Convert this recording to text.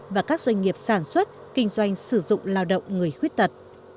và các doanh nghiệp sản xuất kinh doanh sử dụng lao động người khuyết tật